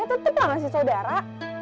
eh tetep lah gak sih saudara